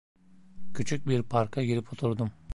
Küçük bir parka girip oturdum.